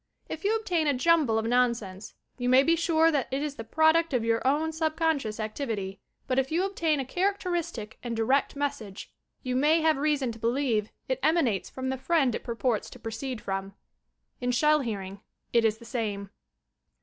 If you obtain a jumble of nonsense you may be sure that it is the product of your own subconscious activity, but if you obtain a cliaracteristic and direct message, you may have reason to believe it emanates from the friend it purports to proceed from. In Shell Hearing it is the same.